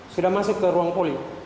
sudah masuk ke ruang poli